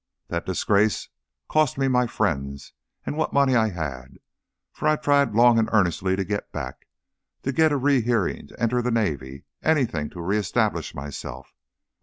That disgrace cost me my friends, and what money I had, for I tried long and earnestly to get back, to get a rehearing, to enter the navy anything to re establish myself.